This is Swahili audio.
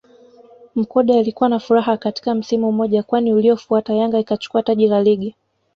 Mkude alikuwa na furaha katika msimu mmoja kwani uliofuata Yanga ikachukua taji la Ligi